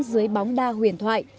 dưới bóng đa huyền thoại